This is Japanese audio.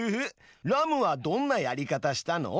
ラムはどんなやり方したの？